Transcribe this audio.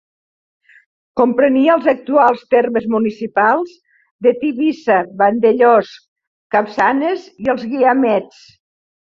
Comprenia els actuals termes municipals de Tivissa, Vandellòs, Capçanes i els Guiamets.